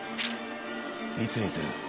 いつにする？